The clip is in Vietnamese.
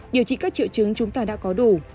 điều trị các triệu chứng chúng ta đã có đủ